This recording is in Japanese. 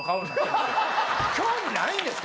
興味ないんですか？